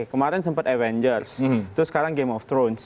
kemarin sempat avengers terus sekarang game of thrones